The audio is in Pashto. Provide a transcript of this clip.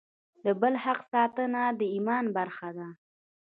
د بل حق ساتنه د ایمان برخه ده.